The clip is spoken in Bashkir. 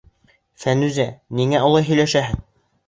Фәнүзә, ниңә улай һөйләшәһең?